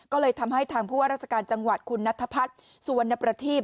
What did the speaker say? ก็เลยทำให้ทางผู้ว่าราชการจังหวัดคุณนัทพัฒน์สุวรรณประทีพ